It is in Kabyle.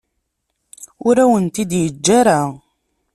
Ur awen-t-id-yeǧǧa ara.